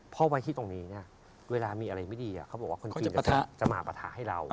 เพราะไว้ที่ตรงนี้เนี่ยเวลามีอะไรไม่ดีเขาบอกว่าคนจีนจะมาปะทะให้เรา